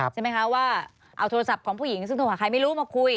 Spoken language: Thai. ใช่ไหมคะว่าเอาโทรศัพท์ของผู้หญิงซึ่งโทรหาใครไม่รู้มาคุย